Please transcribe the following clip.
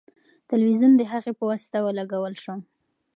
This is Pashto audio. تلویزیون د هغې په واسطه ولګول شو.